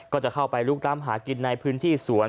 ก็จะเข้าไปลุกล้ำหากินในพื้นที่สวน